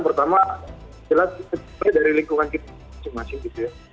pertama jelas dari lingkungan kita masing masing gitu ya